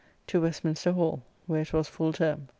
To Westminster Hall, where it was full term.